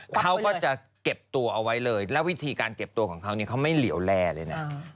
เขาก็จะเก็บตัวเอาไว้เลยแล้ววิธีการเก็บตัวของเขาเขาไม่เหลี่ยวแลเลยนะ